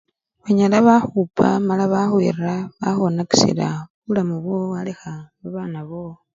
Banyala bakhupa mala bakhwira bakhwonakisila bulamu bwowo walekha babana bowo.